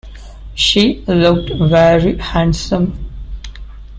She looked very handsome.